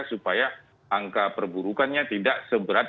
supaya angka perburukannya tidak seberat